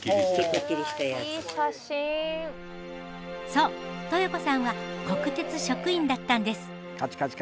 そう豊子さんは国鉄職員だったんです。